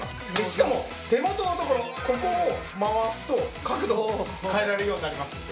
しかも手元の所ここを回すと角度を変えられるようになりますので。